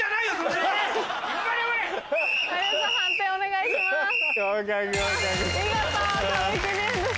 判定お願いします。